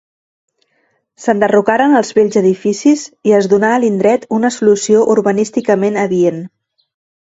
S'enderrocaren els vells edificis i es donà a l'indret una solució urbanísticament adient.